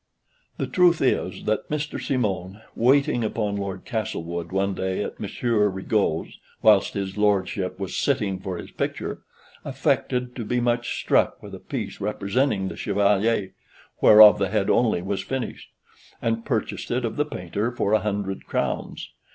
The truth is, that Mr. Simon, waiting upon Lord Castlewood one day at Monsieur Rigaud's whilst his lordship was sitting for his picture, affected to be much struck with a piece representing the Chevalier, whereof the head only was finished, and purchased it of the painter for a hundred crowns.